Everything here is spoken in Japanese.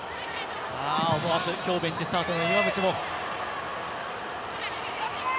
思わずきょう、ベンチスタートの岩渕も。